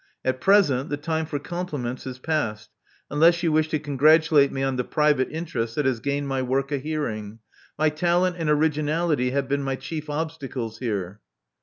At present the time for compliments is past, unless you wish to congratulate me on the private interest that has gained my work a hearing. My talent and originality have been my chief obstacles here."